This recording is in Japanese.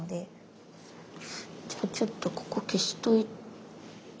じゃあちょっとここ消しといて。